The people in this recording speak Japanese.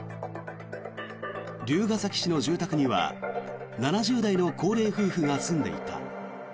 龍ケ崎市の住宅には７０代の高齢夫婦が住んでいた。